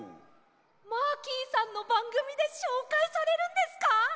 マーキーさんのばんぐみでしょうかいされるんですか！？